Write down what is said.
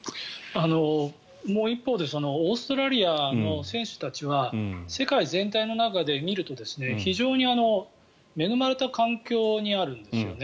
もう一方でオーストラリアの選手たちは世界全体の中で見ると非常に恵まれた環境にあるんですよね。